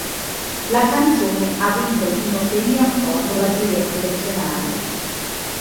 La canzone ha vinto il primo premio accordo alla giuria professionale.